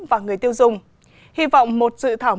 và người tiêu dùng hy vọng một dự thảo